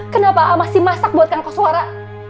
kenapa ayah masih masak buatkan koswara